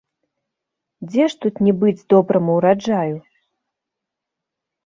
Дзе ж тут не быць добраму ўраджаю?